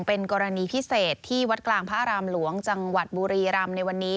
เป็นกรณีพิเศษที่วัดกลางพระอารามหลวงจังหวัดบุรีรำในวันนี้